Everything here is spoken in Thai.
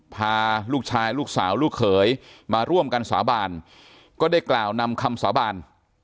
พาลูกชายลูกสาวลูกเขยมาร่วมกันสาบานก็ได้กล่าวนำคำสาบาน